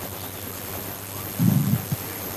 څېړونکی په حقیقت موندلو کې ډېر صبر کوي.